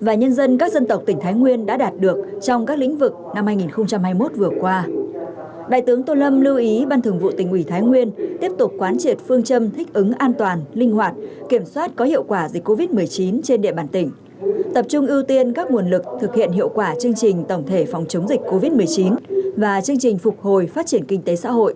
và chương trình phục hồi phát triển kinh tế xã hội